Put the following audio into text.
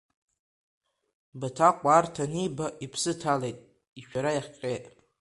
Баҭаҟәа арҭ аниба, иԥсы ҭалеит, ишәара ихҟьеит.